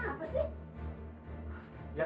tolong beri aku kebenangan